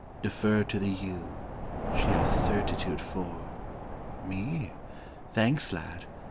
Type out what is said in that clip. Defer to the you, she has certitude for, me? thanks, lad!